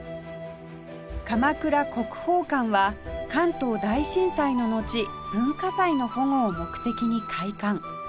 鎌倉国宝館は関東大震災ののち文化財の保護を目的に開館